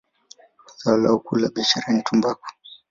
Zao lao kuu la biashara ni tumbaku.